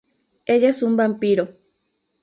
Ella es un vampiro.